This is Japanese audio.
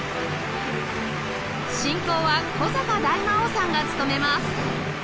進行は古坂大魔王さんが務めます